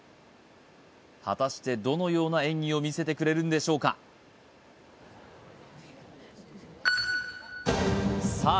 果たしてどのような演技を見せてくれるんでしょうかさあ